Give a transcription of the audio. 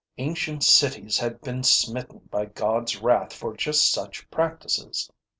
Ancient cities had been smitten by God's wrath for just such practices.